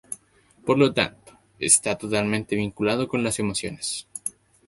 Por lo tanto, está totalmente vinculado con las emociones.